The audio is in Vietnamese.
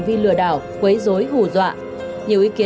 ta đi bộ này